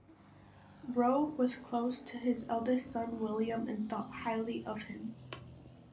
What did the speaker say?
Roe was close to his eldest son William and thought highly of him.